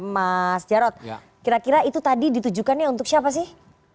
mas jarod kira kira itu tadi ditujukannya untuk siapa sih